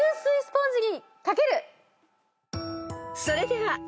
［それでは］